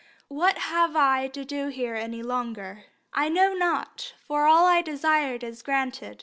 What have I to do here any longer? I know not, for all I desired is granted.